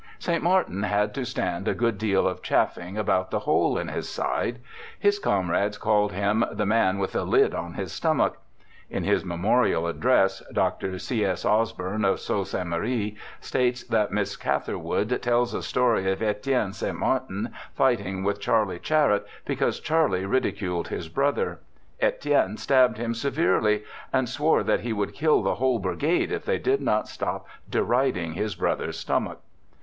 ^ St. Martin had to stand a good deal of chaffing about the hole in his side. His comrades called him 'the man with a lid on his stomach '. In his memorial address, Mr. C. S. Osborn, of Sault Ste. Marie, states that Miss Catherwood tells a story of l£tienne St. Martin fighting with Charlie Charette because Charlie ridiculed his brother, ^tienne stabbed him severely, and swore that he would kill the whole brigade if they did not stop deriding his brother's stomach.